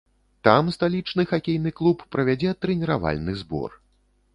Там сталічны хакейны клуб правядзе трэніравальны збор.